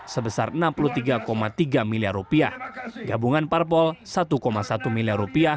sebesar rp enam puluh tiga tiga miliar gabungan parpol rp satu satu miliar